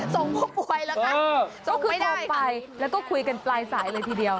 ส่งไม่ได้ค่ะต้องคืนออกไปแล้วก็คุยกันปลายสายเลยทีเดียว